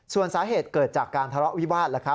ส่วนสาเหตุเกิดจากการทะเลาะวิวาส